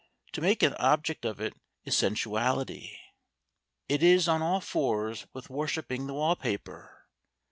To make an object of it is sensuality. It is on all fours with worshipping the wallpaper.